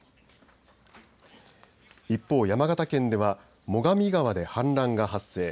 一方、山形県では最上川で氾濫が発生。